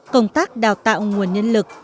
công tác đào tạo nguồn nhân lực